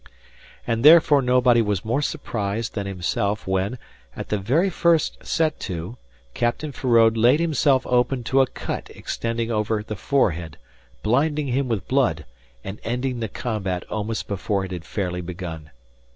And therefore nobody was more surprised than himself when, at the very first set to, Captain Feraud laid himself open to a cut extending over the forehead, blinding him with blood, and ending the combat almost before it had fairly begun.